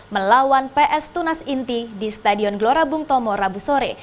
melawan ps tunas inti di stadion gelora bung tomo rabu sore